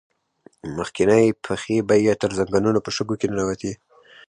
مخکينۍ پښې به يې تر زنګنو په شګو کې ننوتې.